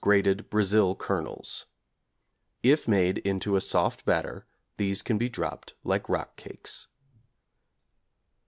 grated brazil kernels. (If made into a soft batter these can be dropped like rock cakes).